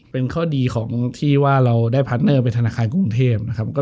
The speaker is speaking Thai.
เป็นข้อดีของที่ว่าเราได้พาร์ทเนอร์ไปธนาคารกรุงเทพนะครับ